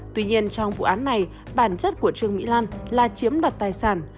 tuy nhiên trong vụ án này bản chất của trương mỹ lan là chiếm đoạt tài sản